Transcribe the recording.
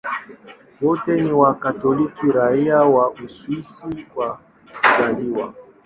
Wote ni Wakatoliki raia wa Uswisi kwa kuzaliwa.